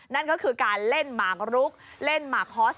นั่นก็คือการเล่นหมากรุกเล่นหมากคอส